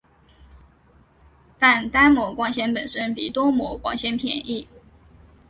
但单模光纤本身比多模光纤便宜。